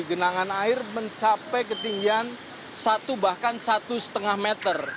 genangan air mencapai ketinggian satu bahkan satu lima meter